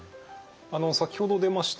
あの先ほど出ました